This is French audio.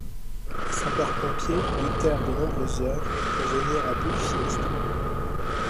Les sapeurs-pompiers luttèrent de nombreuses heures pour venir à bout du sinistre.